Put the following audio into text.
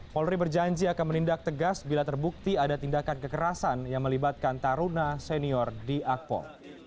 polri berjanji akan menindak tegas bila terbukti ada tindakan kekerasan yang melibatkan taruna senior di akpol